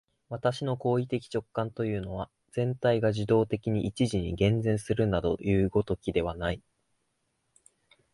私の行為的直観というのは、全体が受働的に一時に現前するなどいう如きことではない。